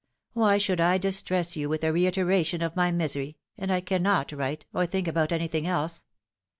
Why should I distress you with a reiteration of my misery and I cannot write, or think about anything else